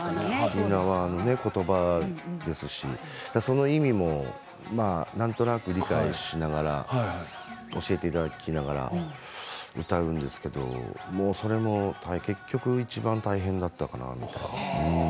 沖縄のことばですしその意味もなんとなく理解しながら教えていただきながら歌うんですけどもそれも、結局いちばん大変だったかなみたいな。